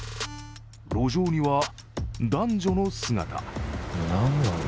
路上には男女の姿。